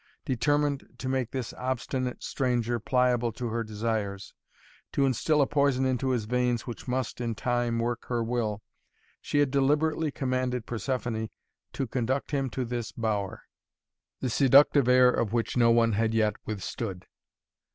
Determined to make this obstinate stranger pliable to her desires, to instill a poison into his veins which must, in time, work her will, she had deliberately commanded Persephoné to conduct him to this bower, the seductive air of which no one had yet withstood.